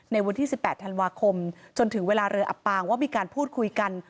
ในวันที่๑๘ธันวาคมจนถึงเวลาเรืออับปางว่ามีการพูดคุยกัน